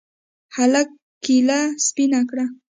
هلك کېله سپينه کړه.